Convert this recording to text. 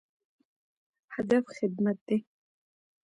هدف خدمت دی